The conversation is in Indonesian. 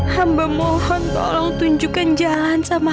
hamba mohon tolong tunjukkan jalan sama